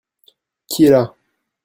Qui est là ?